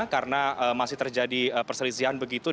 karena masih terjadi perselisihan begitu